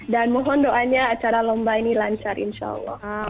dan mohon doanya acara lomba ini lancar insya allah